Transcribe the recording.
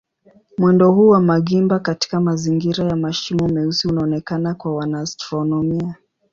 Mwendo huu wa magimba katika mazingira ya mashimo meusi unaonekana kwa wanaastronomia.